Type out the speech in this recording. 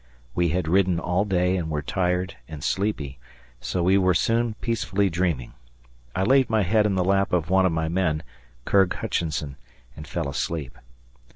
We had ridden all day and were tired and sleepy, so we were soon peacefully dreaming. I laid my head in the lap of one of my men, Curg Hutchinson, and fell asleep.